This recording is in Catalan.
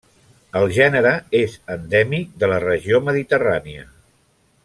El gènere és endèmic de la regió mediterrània.